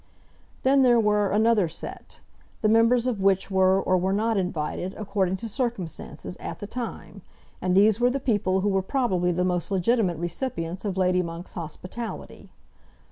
Then there were another set, the members of which were or were not invited, according to circumstances, at the time; and these were the people who were probably the most legitimate recipients of Lady Monk's hospitality.